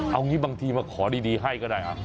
เอางี้บางทีมาขอดีให้ก็ได้ครับ